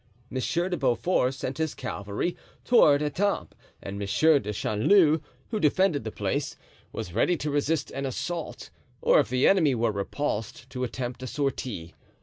Monsieur de Beaufort sent his cavalry, toward Etampes and Monsieur de Chanleu, who defended the place, was ready to resist an assault, or if the enemy were repulsed, to attempt a sortie.